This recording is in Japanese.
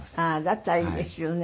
だったらいいですよね。